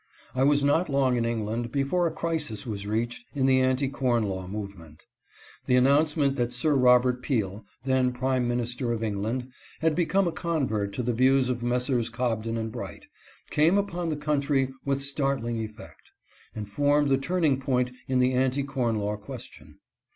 I was not long in England before a crisis was reached in the anti corn law movement. The announcement that Sir Robert Peel, then prime minister of England, had be come a convert to the views of Messrs. Cobden and Bright, came upon the country with startling effect, and formed the turning point in the anti corn law question.